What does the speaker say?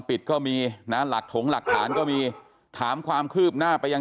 ปิดก็มีนะหลักถงหลักฐานก็มีถามความคืบหน้าไปยัง